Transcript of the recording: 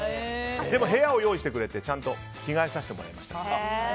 でも部屋を用意してくれてちゃんと着替えさせてもらいました。